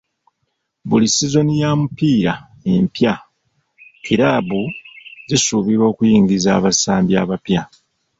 Buli sizoni ya mupiira empya, kiraabu zisuubirwa okuyingiza abasambi abapya.